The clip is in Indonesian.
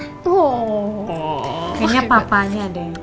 kayaknya papanya deh